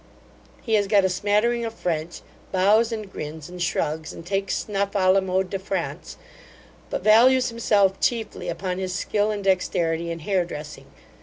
He has got a smattering of French, bows, and grins, and shrugs, and takes snuff a la mode de France, but values himself chiefly upon his skill and dexterity in hair dressing.